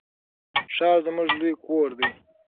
ښار زموږ لوی کور دی.